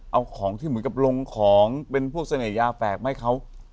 เอาของที่เหมือนกับลงของเป็นพวกเสน่หยาแฝกมาให้เขา